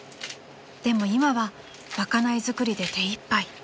［でも今は賄い作りで手いっぱい］